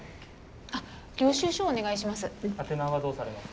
あ領収書お願いします。